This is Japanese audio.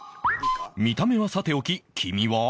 見た目はさておき黄身は